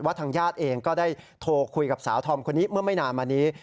ทางญาติเองก็ได้โทรคุยกับสาวธอมคนนี้เมื่อไม่นานมานี้